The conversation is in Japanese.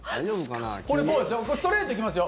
ストレート行きますよ。